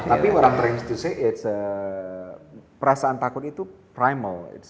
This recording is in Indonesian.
tapi what i'm trying to say is perasaan takut itu primal